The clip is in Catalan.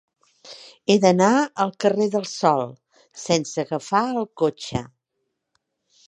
He d'anar al carrer del Sol sense agafar el cotxe.